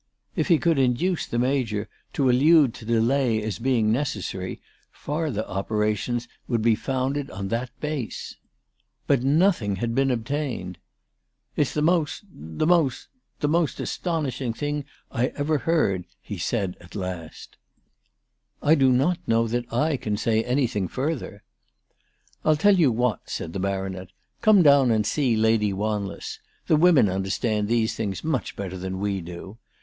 If he could induce the Major to allude to delay as being necessary, farther operations would be founded on that base. But nothing had been obtained. " It's the most, the most, the most astonishing thing I ever heard," he said at last. 398 ALICE DUGDALE. " I do not know that I can say anything further." "I'll tell you what," said the Baronet. "Come down and see Lady Wanless. The women understand these things much better than we do.